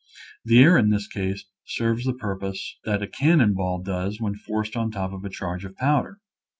The air in this case serves the purpose that a cannon ball does when forced in on top of a charge of powder.